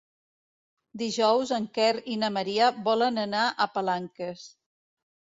Dijous en Quer i na Maria volen anar a Palanques.